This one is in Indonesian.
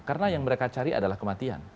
karena yang mereka cari adalah kematian